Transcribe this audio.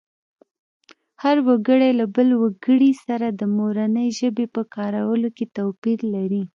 هر وګړی له بل وګړي سره د مورنۍ ژبې په کارولو کې توپیر لري